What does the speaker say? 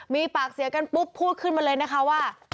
มีปากเสียงกันปุ๊บพูดขึ้นมาเลยนะคะว่า